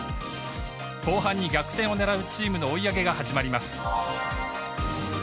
後半に逆転を狙うチームの追い上げが始まります。